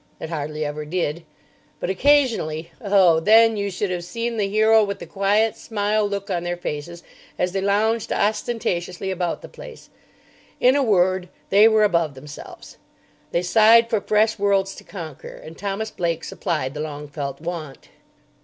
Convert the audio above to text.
It hardly ever did. But occasionally——! Oh, then you should have seen the hero with the quiet smile look on their faces as they lounged ostentatiously about the place. In a word, they were above themselves. They sighed for fresh worlds to conquer. And Thomas Blake supplied the long felt want.